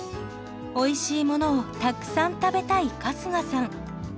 おいしいものをたくさん食べたい春日さん。